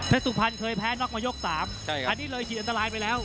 สุพรรณเคยแพ้น็อกมายก๓อันนี้เลยจิตอันตรายไปแล้ว